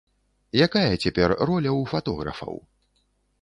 Якая цяпер роля ў фатографаў?